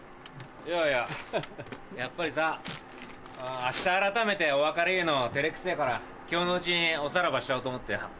いやいややっぱりさ明日あらためてお別れ言うの照れくせぇから今日のうちにおさらばしちゃおうと思ってよ。